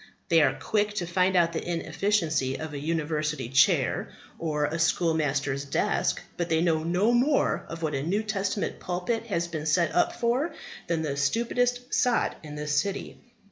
They are quick to find out the inefficiency of a university chair, or a schoolmaster's desk, but they know no more of what a New Testament pulpit has been set up for than the stupidest sot in the city.